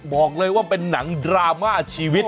บอกเลยว่าเป็นหนังดราม่าชีวิต